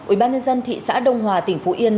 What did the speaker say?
ubnd thị xã đông hòa tỉnh phú yên